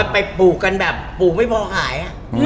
ไปปลูกกันแบบปลูกไม่พอขาย